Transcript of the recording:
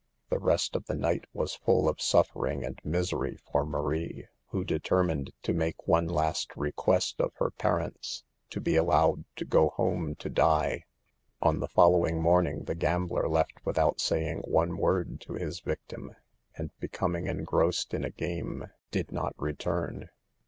The rest of the night was full of suffering and misery for Marie, who determined to make one last request of her parents : to be allowed to go home to die. On the following morning the gambler left without saying one word to his victim, and be coming engrossed in a game did not return.